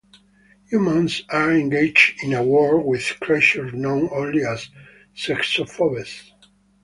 Humans are engaged in a war with creatures known only as Xenophobes.